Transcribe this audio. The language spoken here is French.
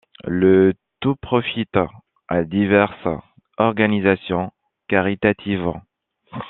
Le tout profite à diverses organisations caritatives.